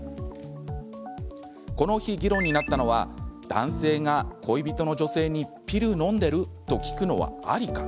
この日、議論になったのは男性が恋人の女性にピルのんでる？と聞くのは、ありか。